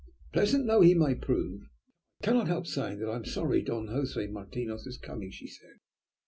"Pleasant though he may prove, I cannot help saying that I am sorry Don Josè Martinos is coming," she said.